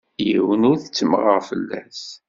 Yiwen ur ttemmɣeɣ fell-as.